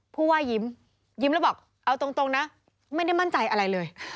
ผู้ว่ายิ้มยิ้มแล้วบอกเอาตรงนะไม่ได้มั่นใจอะไรเลย